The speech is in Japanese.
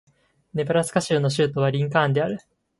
ネブラスカ州の州都はリンカーンである